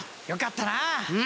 よかったな！